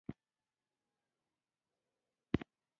حکومت باید محدود او عادلانه وي.